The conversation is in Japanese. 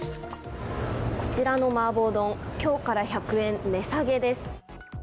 こちらの麻婆丼、今日から１００円値下げです。